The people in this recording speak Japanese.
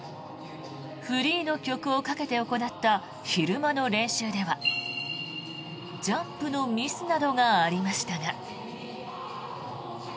フリーの曲をかけて行った昼間の練習ではジャンプのミスなどがありましたが。